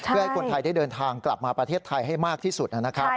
เพื่อให้คนไทยได้เดินทางกลับมาประเทศไทยให้มากที่สุดนะครับ